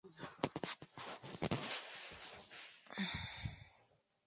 Finalizada la guerra comienza su carrera al estrellato.